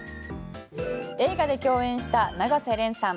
映画で共演した永瀬廉さん